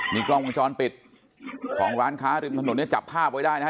นี่กล้องวงจรปิดของร้านค้าริมถนนเนี่ยจับภาพไว้ได้นะฮะ